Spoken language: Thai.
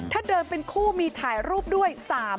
ถ้าเดินเป็นคู่มีถ่ายรูปด้วย